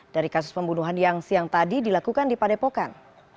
dari kasus pembunuhan yang siang tadi dilakukan di padepokan